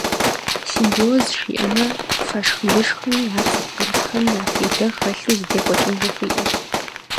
Симбиоз жиӏэмэ, фэшх-лышхми ар зыпкърытми я фейдэ хэлъу зэдекӏуэкӏын жыхуиӏэщ.